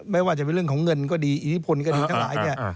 ไม่ว่าจะเป็นเรื่องของเงินก็ดีอิทธิพลก็ดีทั้งหลายเนี่ย